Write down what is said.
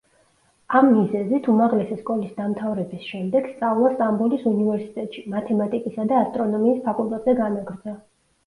ამ მიზეზით, უმაღლესი სკოლის დამთავრების შემდეგ, სწავლა სტამბოლის უნივერსიტეტში, მათემატიკისა და ასტრონომიის ფაკულტეტზე განაგრძო.